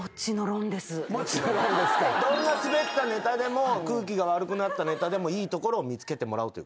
どんなスベったネタでも空気が悪くなったネタでもいいところを見つけてもらう。